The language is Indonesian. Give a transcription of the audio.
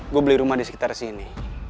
gue beli rumah di sekitar sini